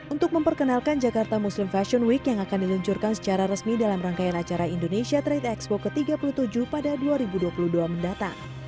untuk memperkenalkan jakarta muslim fashion week yang akan diluncurkan secara resmi dalam rangkaian acara indonesia trade expo ke tiga puluh tujuh pada dua ribu dua puluh dua mendatang